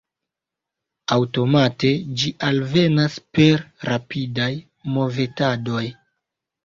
Aŭtomate ĝi alvenas per rapidaj movetadoj.